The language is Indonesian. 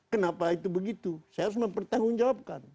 kenapa itu begitu saya harus mempertanggungjawabkan